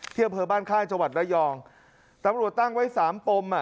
อำเภอบ้านค่ายจังหวัดระยองตำรวจตั้งไว้สามปมอ่ะ